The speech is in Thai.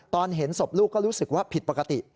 ตอนเห็นศพลูกก็รู้สึกว่าผิดปกติ